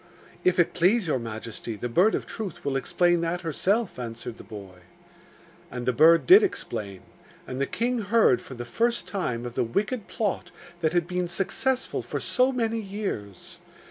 'If it please your majesty, the Bird of Truth will explain that herself,' answered the boy. And the bird did explain; and the king heard for the first time of the wicked plot that had been successful for so many years.